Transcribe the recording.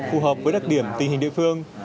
phù hợp với đặc điểm tình hình địa phương